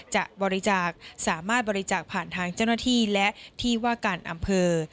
จะบริจาคสามารถบริจาคผ่านทางเจ้าหน้าที่และที่ว่าการอำเภอ